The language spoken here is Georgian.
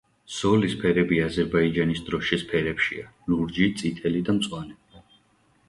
ზოლის ფერები აზერბაიჯანის დროშის ფერებშია: ლურჯი, წითელი და მწვანე.